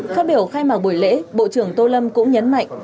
phát biểu khai mạc buổi lễ bộ trưởng tô lâm cũng nhấn mạnh